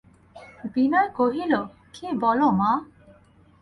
বিনয় কহিল, কী বল মা!